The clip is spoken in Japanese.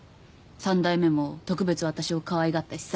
三代目も特別私をかわいがったしさ。